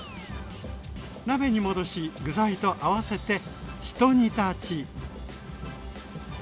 鍋に戻し具材と合わせてひと煮立ち。